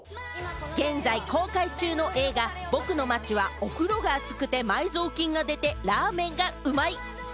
現在公開中の映画『僕の町はお風呂が熱くて埋蔵金が出てラーメンが美味い。』。